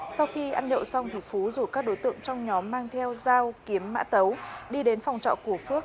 sau khi ăn nhậu xong thì phú rủ các đối tượng trong nhóm mang theo dao kiếm mã tấu đi đến phòng trọ của phước